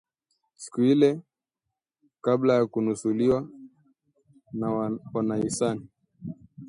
siku ile kabla ya kunusuriwa na wahisani